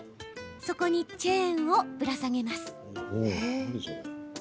そこにチェーンをぶら下げます。